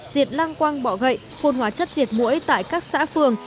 diệt lang quang bọ gậy phôn hóa chất diệt mũi tại các xã phường